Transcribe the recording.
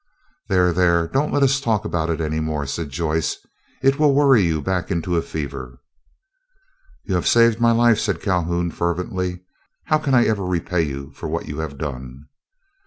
"There, there, don't let us talk about it any more," said Joyce; "it will worry you back into a fever." "You have saved my life," said Calhoun, fervently. "How can I ever repay you for what you have done?"